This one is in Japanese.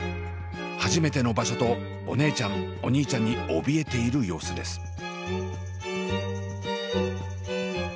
初めての場所とお姉ちゃんお兄ちゃんにおびえている様子です。